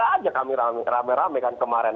tapi saya bilang nggak aja kami rame rame kan kemarin